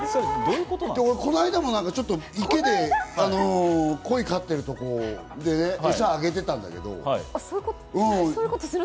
俺、この間も池で鯉を飼ってるところでエサをあげてたんだけど。